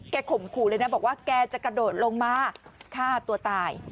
ข่มขู่เลยนะบอกว่าแกจะกระโดดลงมาฆ่าตัวตาย